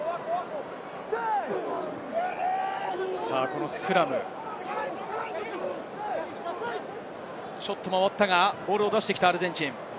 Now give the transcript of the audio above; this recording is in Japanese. このスクラム、ちょっと回ったがボールを出してきたアルゼンチン。